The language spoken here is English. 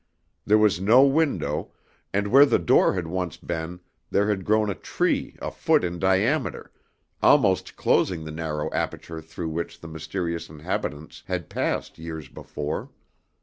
There was no window, and where the door had once been there had grown a tree a foot in diameter, almost closing the narrow aperture through which the mysterious inhabitants had passed years before.